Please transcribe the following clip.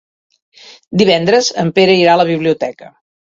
Divendres en Pere irà a la biblioteca.